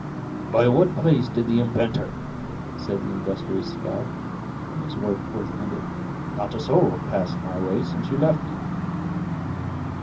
"By what place did the imp enter?" asked the industrious scout, when his work was ended. "Not a soul has passed my way since you left me."